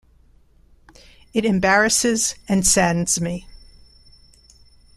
It embarrasses and saddens me.